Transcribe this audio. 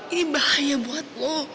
ini bahaya buat lu